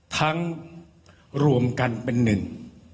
ทั้งรวมกันเป็นหนึ่ง